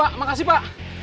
pak makasih pak